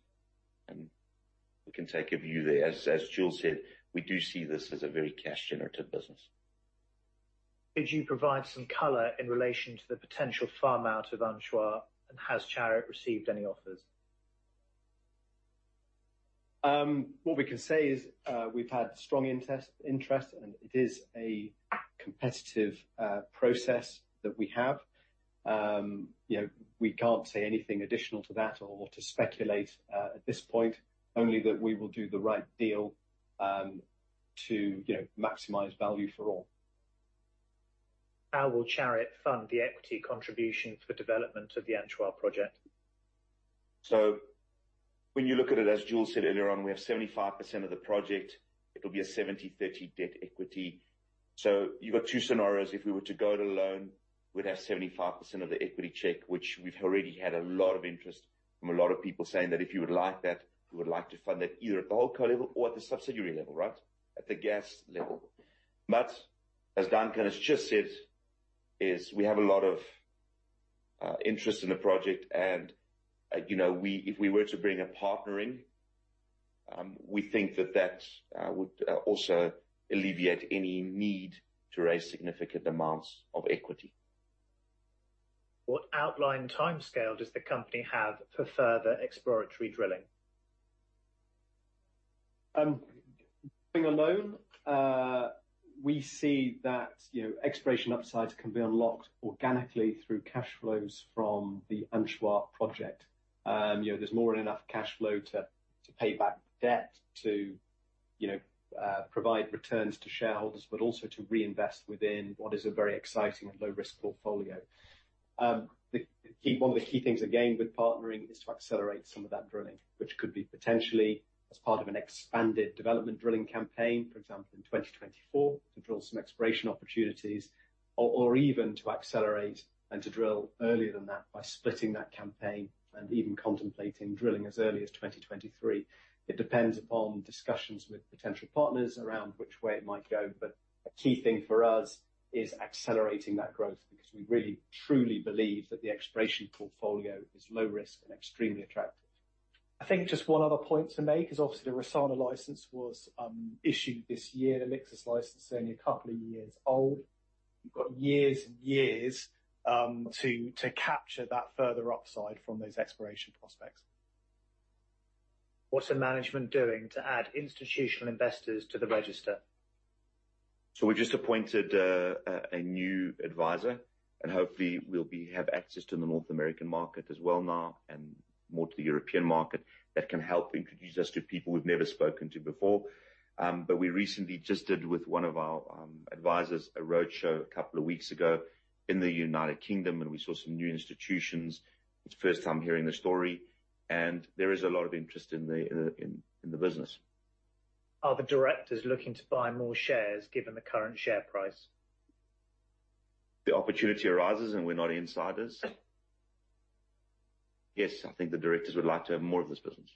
We can take a view there. As Jules said, we do see this as a very cash-generative business. Could you provide some color in relation to the potential farm-out of Anchois? Has Chariot received any offers? What we can say is, we've had strong interest, and it is a competitive process that we have. You know, we can't say anything additional to that or to speculate at this point, only that we will do the right deal, to, you know, maximize value for all. How will Chariot fund the equity contribution for development of the Anchois project? When you look at it, as Jules said earlier on, we have 75% of the project. It'll be a 70/30 debt equity. You've got two scenarios. If we were to go it alone, we'd have 75% of the equity check, which we've already had a lot of interest from a lot of people saying that, "If you would like that, we would like to fund that either at the wholeco level or at the subsidiary level, right? At the gas level." As Duncan has just said, is we have a lot of interest in the project and, you know, if we were to bring a partner in, we think that would also alleviate any need to raise significant amounts of equity. What outline timescale does the company have for further exploratory drilling? Being alone, we see that, you know, exploration upsides can be unlocked organically through cash flows from the Anchois project. You know, there's more than enough cash flow to pay back debt to, you know, provide returns to shareholders, but also to reinvest within what is a very exciting and low-risk portfolio. The key, one of the key things, again, with partnering is to accelerate some of that drilling, which could be potentially as part of an expanded development drilling campaign, for example, in 2024 to drill some exploration opportunities or even to accelerate and to drill earlier than that by splitting that campaign and even contemplating drilling as early as 2023. It depends upon discussions with potential partners around which way it might go, but a key thing for us is accelerating that growth because we really, truly believe that the exploration portfolio is low risk and extremely attractive. I think just one other point to make is obviously the Rissana license was issued this year. The Lixus license is only two years old. You've got years and years to capture that further upside from those exploration prospects. What are management doing to add institutional investors to the register? We've just appointed a new advisor, hopefully we'll have access to the North American market as well now and more to the European market that can help introduce us to people we've never spoken to before. We recently just did with one of our advisors a roadshow a couple of weeks ago in the United Kingdom. We saw some new institutions. It's the first time hearing the story. There is a lot of interest in the business. Are the directors looking to buy more shares given the current share price? If the opportunity arises, and we're not insiders. Yes, I think the directors would like to have more of this business.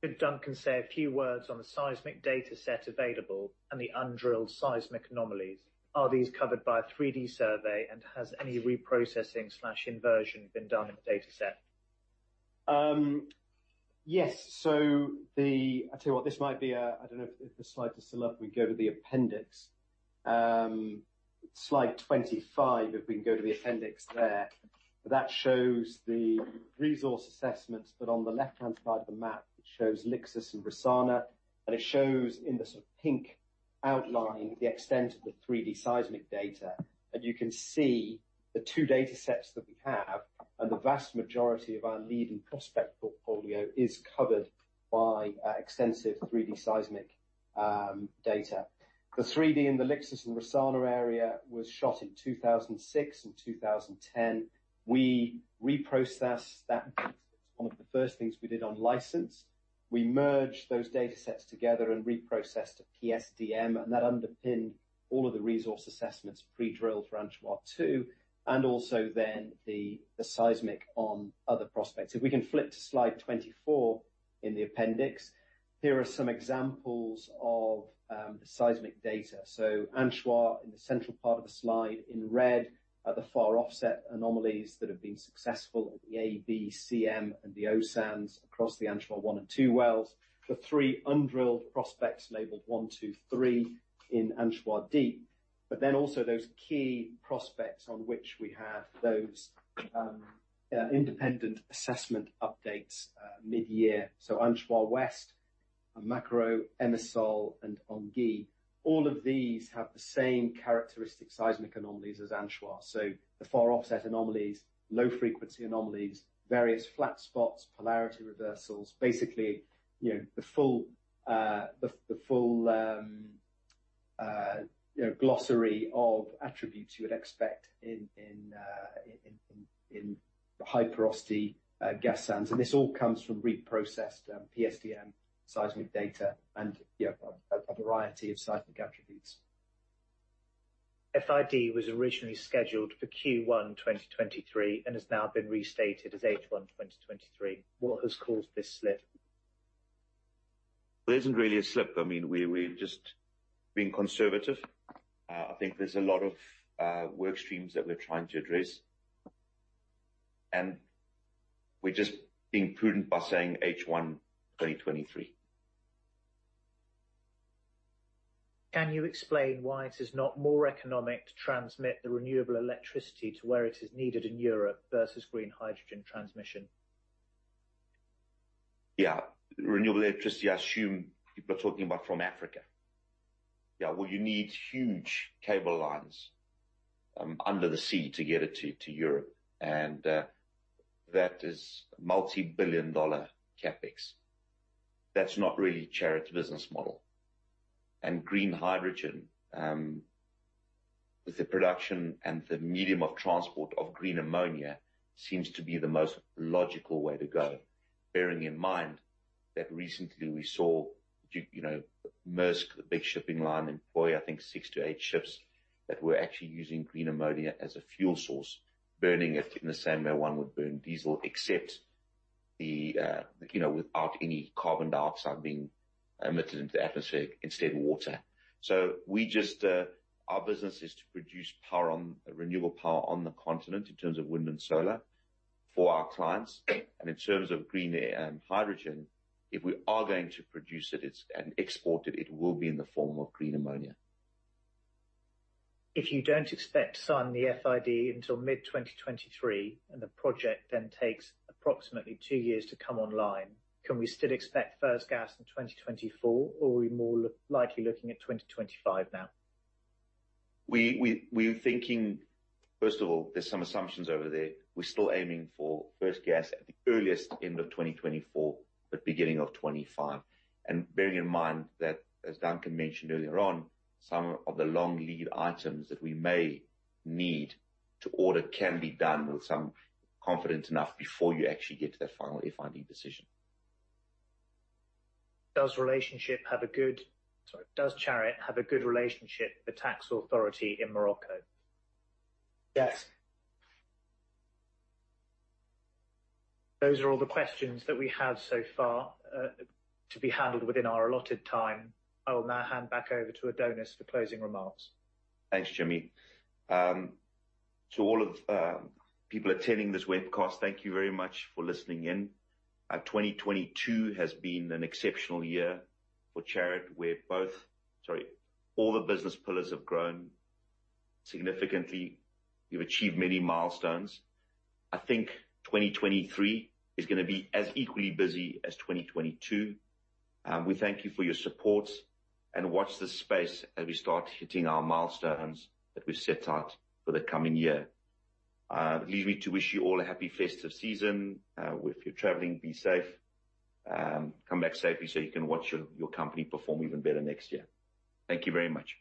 Could Duncan say a few words on the seismic data set available and the undrilled seismic anomalies? Are these covered by a 3D survey, and has any reprocessing/inversion been done in the data set? Yes. I tell you what, this might be a, I don't know if the slide is still up, we go to the appendix. Slide 25, if we can go to the appendix there. That shows the resource assessments, but on the left-hand side of the map, it shows Lixus and Rissana, and it shows in the sort of pink outline the extent of the 3D seismic data. You can see the two data sets that we have, and the vast majority of our lead and prospect portfolio is covered by extensive 3D seismic data. The 3D in the Lixus and Rissana area was shot in 2006 and 2010. We reprocessed that. One of the first things we did on license. We merged those data sets together and reprocessed a PSDM, that underpinned all of the resource assessments pre-drilled for Anchois-2, and also the seismic on other prospects. If we can flip to slide 24 in the appendix, here are some examples of the seismic data. Anchois in the central part of the slide in red are the far offset anomalies that have been successful at the A, B, CM, and the O sands across the Anchois-1 and 2 wells. The three undrilled prospects labeled one, two, three in Anchois Deep. Also those key prospects on which we have those independent assessment updates mid-year. Anchois West, Maquereau, Emissole and Anguille. All of these have the same characteristic seismic anomalies as Anchois. The far offset anomalies, low frequency anomalies, various flat spots, polarity reversals, basically, you know, the full. You know, glossary of attributes you would expect in high porosity gas sands. This all comes from reprocessed PSDM seismic data and, you know, a variety of seismic attributes. FID was originally scheduled for Q1 2023 and has now been restated as H1 2023. What has caused this slip? There isn't really a slip. I mean, we're just being conservative. I think there's a lot of work streams that we're trying to address. We're just being prudent by saying H1 2023. Can you explain why it is not more economic to transmit the renewable electricity to where it is needed in Europe versus green hydrogen transmission? Yeah. Renewable electricity, I assume people are talking about from Africa. Yeah. Well, you need huge cable lines under the sea to get it to Europe, that is multi-billion dollar CapEx. That's not really Chariot's business model. Green hydrogen with the production and the medium of transport of green ammonia seems to be the most logical way to go. Bearing in mind that recently we saw, you know, Maersk, the big shipping line, employ, I think six to eight ships that were actually using green ammonia as a fuel source, burning it in the same way one would burn diesel, except, you know, without any carbon dioxide being emitted into the atmosphere, instead, water. We just. Our business is to produce renewable power on the continent in terms of wind and solar for our clients. In terms of green hydrogen, if we are going to produce it and export it will be in the form of green ammonia. If you don't expect to sign the FID until mid-2023, the project then takes approximately two years to come online, can we still expect first gas in 2024, or are we more likely looking at 2025 now? We're thinking, first of all, there's some assumptions over there. We're still aiming for first gas at the earliest end of 2024, but beginning of 2025. Bearing in mind that, as Duncan mentioned earlier on, some of the long lead items that we may need to order can be done with some confidence enough before you actually get to that final FID decision. Does Chariot have a good relationship with the tax authority in Morocco? Yes. Those are all the questions that we have so far, to be handled within our allotted time. I will now hand back over to Adonis for closing remarks. Thanks, Jimmy. To all of people attending this webcast, thank you very much for listening in. 2022 has been an exceptional year for Chariot, all the business pillars have grown significantly. We've achieved many milestones. I think 2023 is gonna be as equally busy as 2022. We thank you for your support, and watch this space as we start hitting our milestones that we've set out for the coming year. Leaves me to wish you all a happy festive season. If you're traveling, be safe. Come back safely so you can watch your company perform even better next year. Thank you very much.